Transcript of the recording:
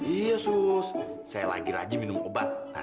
iya sus saya lagi rajin minum obat